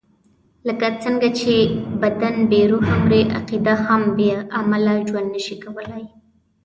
لکه څنګه چې بدن بې روح مري، عقیده هم بې عمله ژوند نشي کولای.